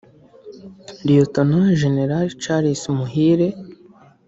Lt Gen Charles Muhire